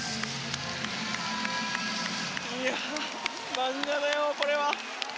漫画だよ、これは。